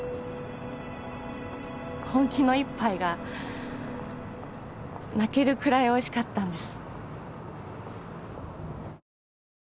本気の一杯が泣けるくらいおいしかったんです